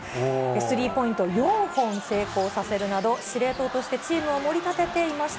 スリーポイント４本成功させるなど、司令塔としてチームをもり立てていました。